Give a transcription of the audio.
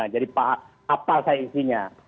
jadi apa saya isinya